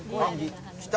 来た。